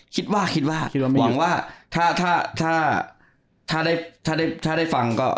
คิดว่าคิดว่าคิดว่าหวังว่าถ้าถ้าถ้าถ้าได้ถ้าได้ถ้าได้ฟังก็